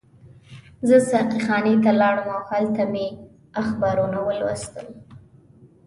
زه ساقي خانې ته لاړم او هلته مې اخبارونه ولوستل.